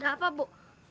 ada apa bu